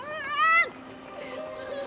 masa allah